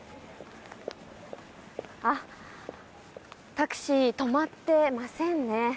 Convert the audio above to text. タクシー止まってませんね。